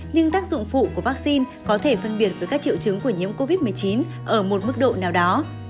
nhưng tác dụng phụ của vaccine có thể phân biệt với các triệu chứng của nhiễm covid một mươi chín ở một mức độ nào đó